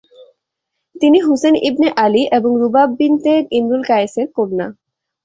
তিনি হুসেন ইবনে আলী এবং রুবাব বিনতে ইমরুল কায়েস এর কন্যা।